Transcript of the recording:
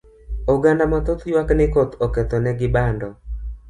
Oganda ma thoth ywak ni koth oketho ne gi bando